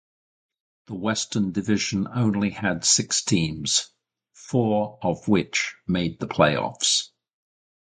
The Western division only had six teams: four of which made the playoffs.